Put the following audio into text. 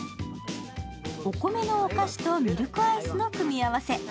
お米のお菓子とミルクアイスの組み合わせ。